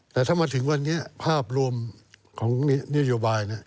แต่ถ้ามาถึงวันนี้ภาพรวมของนโยบาย